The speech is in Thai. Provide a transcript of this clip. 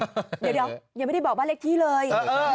เดี๋ยวยังไม่ได้บอกบ้านเลขที่เลย